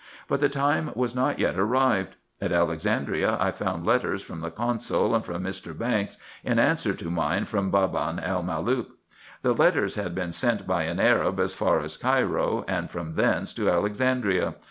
But the time was not yet arrived. At Alexandria I found letters from the consul and from Mr. Bankes, in answer to mine from Baban el Malook. The letters had been sent by an Arab as far as Cairo, and from thence to Alexandria.